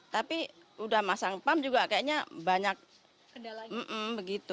tapi sudah masang pump juga kayaknya banyak m m begitu